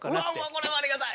これはありがたい！